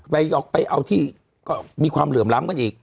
ไปเอาที่ก็มีความเหลื่อมล้ำกันอีก